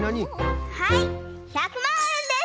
はい１００まんえんです！